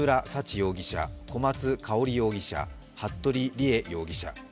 容疑者、小松香織容疑者、服部理江容疑者。